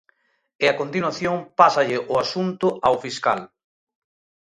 E a continuación, pásalle o asunto ao fiscal.